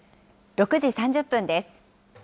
６時３０分です。